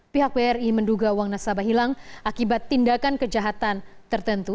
pihak bri menduga uang nasabah hilang akibat tindakan kejahatan tertentu